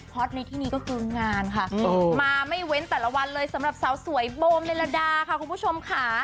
ตในที่นี้ก็คืองานค่ะมาไม่เว้นแต่ละวันเลยสำหรับสาวสวยโบเมลดาค่ะคุณผู้ชมค่ะ